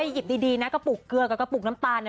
หยิบดีนะกระปุกเกลือกับกระปุกน้ำตาลเนี่ย